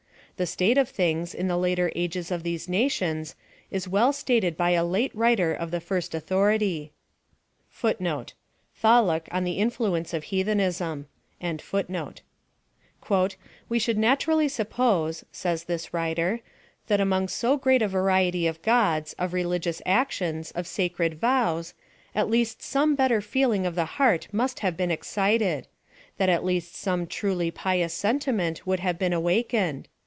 The state of things, in the later ages of these nations, is well stated by a iate writer of the first authority.* " We should naturally suppose, (says this writer,) that among so great a variety of gods, of religious actions, of sacred vows ; at least some better feeling of the heart must have been excited ; that at least some truly pious sentiment would have been awakened.